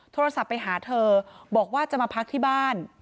โทรศัพท์ไปหาเธอบอกว่าจะมาพักที่บ้าน